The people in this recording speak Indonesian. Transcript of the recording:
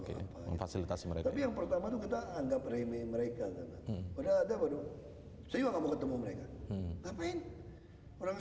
kantor fasilitasi mereka yang pertama kita anggap remi mereka